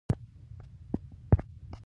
بېرته جرمني ته ولاړم.